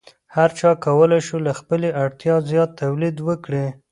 هر چا کولی شو له خپلې اړتیا زیات تولید وکړي.